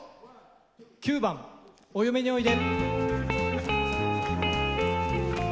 ９番「お嫁においで」。